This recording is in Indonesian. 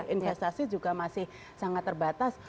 investasi juga masih sangat terbatas